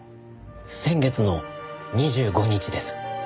先月の２５日です。